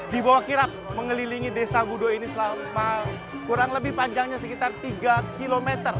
dibawa kirap mengelilingi desa gudow ini selama kurang lebih panjangnya sekitar tiga km